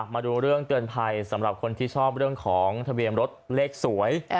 มาดูเรื่องเตือนไพรสำหรับคนที่ชอบทะเวียนรถเลขสวย